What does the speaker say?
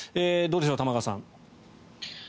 どうでしょう、玉川さん。